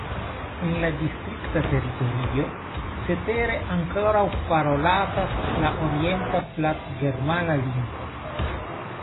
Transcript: En la distrikta teritorio cetere ankoraŭ parolatas la orienta platgermana lingvo.